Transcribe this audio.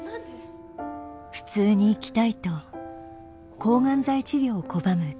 普通に生きたいと抗がん剤治療を拒む拓哉。